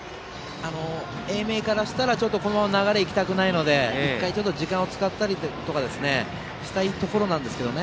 英明からしたらこの流れでは行きたくないので１回、時間を使ったりしたいところですが。